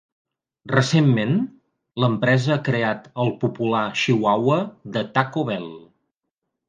Recentment, l'empresa ha creat el popular chihuahua de Taco Bell.